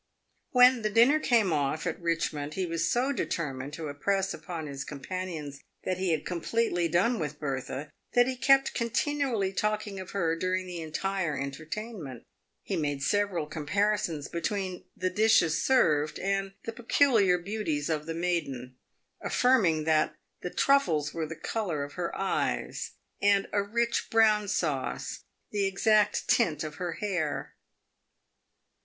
When the dinner came off at Richmond, he was so determined to impress upon his companions that he had completely done with Bertha, that he kept continually talking of her during the entire entertain ment. He made several comparisons between the dishes served and the peculiar beauties of the maiden, affirming that the truffles were the colour of her eyes, and a rich brown sauce the exact tint of her hair.